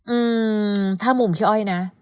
อืมถ้ามุมเคี้ย้อยนะ